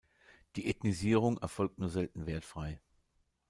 Die Ethnisierung erfolgt nur selten wertfrei.